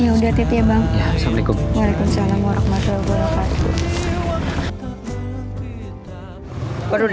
ya udah titik ya bang assalamualaikum waalaikumsalam warahmatullahi wabarakatuh